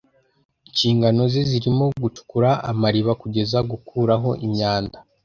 Inshingano ze zirimo gucukura amariba kugeza gukuraho imyanda.